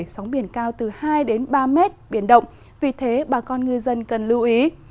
sóng biển cao từ hai ba mét biển động vì thế bà con người dân cần lưu ý